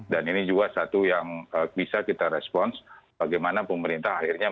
dan ini juga satu yang bisa kita respons bagaimana pemerintah akhirnya